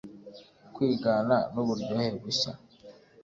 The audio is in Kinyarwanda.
kwigana nuburyohe bushya